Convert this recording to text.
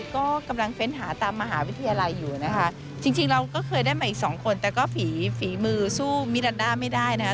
ก็กำลังเฟ้นหาตามมหาวิทยาลัยอยู่นะคะจริงเราก็เคยได้มาอีกสองคนแต่ก็ฝีฝีมือสู้มิรันดาไม่ได้นะคะ